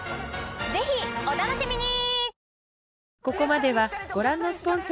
ぜひお楽しみに！